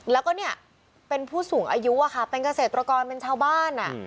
แล้วก็เนี่ยเป็นผู้สูงอายุอะค่ะเป็นเกษตรกรเป็นชาวบ้าน